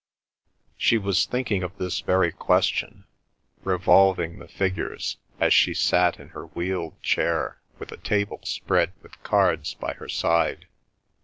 She was thinking of this very question, revolving the figures, as she sat in her wheeled chair with a table spread with cards by her side.